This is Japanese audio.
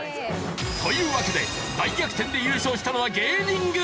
というわけで大逆転で優勝したのは芸人軍。